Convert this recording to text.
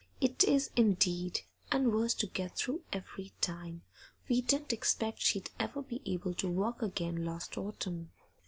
'It is indeed, and worse to get through every time. We didn't expect she'd ever be able to walk again last autumn.